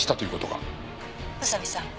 「宇佐見さん